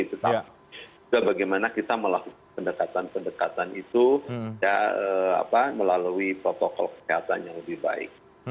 tetapi juga bagaimana kita melakukan pendekatan pendekatan itu melalui protokol kesehatan yang lebih baik